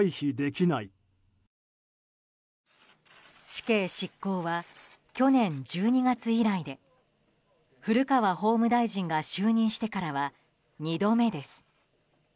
死刑執行は去年１２月以来で古川法務大臣が就任してからは２度目です。